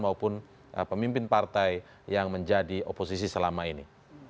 maupun pemimpin partai yang menjadi oposisi selama ini